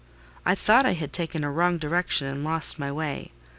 I thought I had taken a wrong direction and lost my way.